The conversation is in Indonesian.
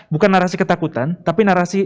bukan narasi ketakutan tapi narasi